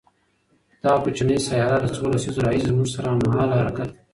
دغه کوچنۍ سیاره له څو لسیزو راهیسې زموږ سره هممهاله حرکت کوي.